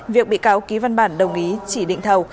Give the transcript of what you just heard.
việc bị cáo ký văn bản đồng ý chỉ định thầu